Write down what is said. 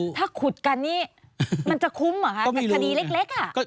โถถ้าขุดกันนี่มันจะคุ้มหรอคะ